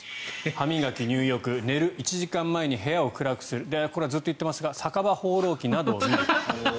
歯磨き、入浴寝る１時間前に部屋を暗くするこれはずっと言っていますが「酒場放浪記」などを見る。